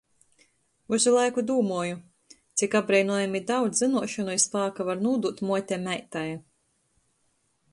Vysu laiku dūmuoju – cik apbreinojami daudz zynuošonu i spāka var nūdūt muote meitai.